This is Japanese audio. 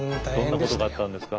どんなことがあったんですか？